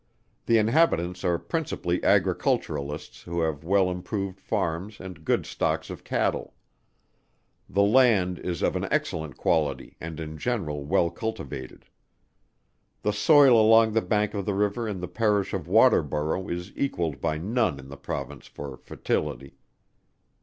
The inhabitants are principally agriculturalists who have well improved farms and good stocks of cattle. The land is of an excellent quality and in general well cultivated. The soil along the bank of the river in the Parish of Waterborough is equalled by none in the Province for fertility.